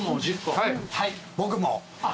はい。